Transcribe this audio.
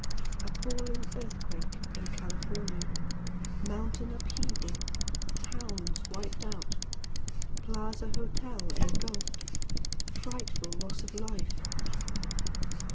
Appalling Earthquake In California! Mountain Upheaval! Towns Wiped Out! Plaza Hotel Engulfed! Frightful Loss of Life!